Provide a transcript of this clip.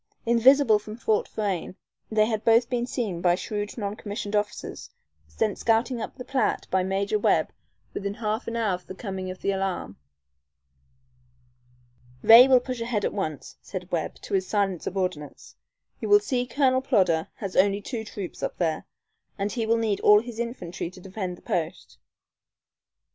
Invisible from Fort Frayne, they had both been seen by shrewd non commissioned officers, sent scouting up the Platte by Major Webb within half an hour of the coming of the alarm. "Ray will push ahead at once," said Webb, to his silent subordinates. "You see Colonel Plodder has only two troops up there, and he will need all his infantry to defend the post.